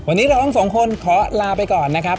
วันนี้เราทั้งสองคนขอลาไปก่อนนะครับ